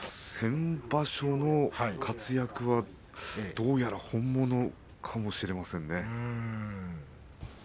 先場所の活躍はどうやら本物かもしれませんね。